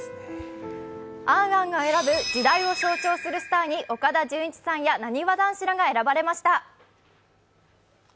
「ａｎ・ａｎ」が選ぶ時代の象徴となる人を岡田准一さんやなにわ男子らが選ばれました。